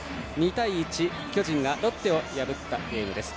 ２対１、巨人がロッテを破ったゲームです。